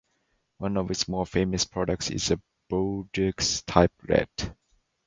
One of its more famous products is a Bordeaux-type red.